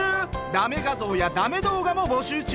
だめ画像やだめ動画も募集中。